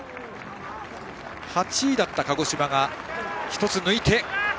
８位だった鹿児島が１つ抜いて。